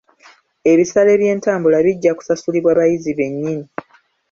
Ebisale by'entambula bijja kusasulibwa bayizi bennyini.